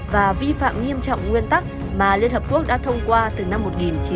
và vi phạm nghiêm trọng nguyên tắc mà liên hợp quốc đã thông qua từ năm một nghìn chín trăm tám mươi hai